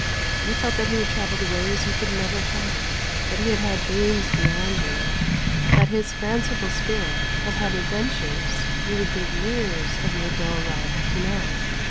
You felt that he had travelled ways you could never travel, that he had had dreams beyond you, that his fanciful spirit had had adventures you would give years of your dull life to know.